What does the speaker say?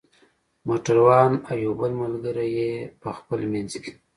موټر وان او یو بل ملګری یې په خپل منځ کې.